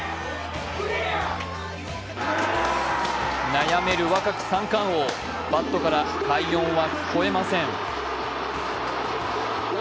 悩める若き三冠王、バットから快音は聞こえません。